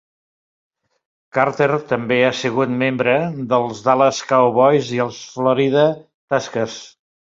Carter també ha sigut membre dels Dallas Cowboys i els Florida Tuskers.